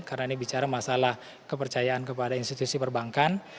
karena ini bicara masalah kepercayaan kepada institusi perbankan